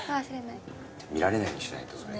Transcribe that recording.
見られないようにしないとそれ。